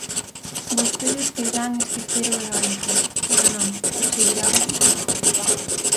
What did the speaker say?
Vostedes quererán esquecer o eólico, pero non, perseguiraos sempre.